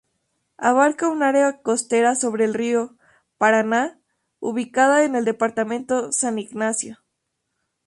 Abarca un área costera sobre el río Paraná ubicada en el departamento San Ignacio.